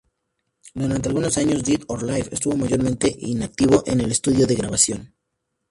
Durante algunos años, Dead or Alive estuvo mayormente inactivo en el estudio de grabación.